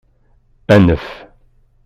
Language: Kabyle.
Anef!